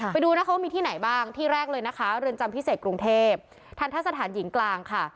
ไปดูนะคะว่ามีที่ไหนบ้างที่แรกเลยนะคะเรือนจำพิเศษกรุงเทพทันทะสถานหญิงกลางค่ะ